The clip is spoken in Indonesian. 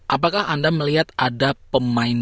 apakah anda melihat ada pemain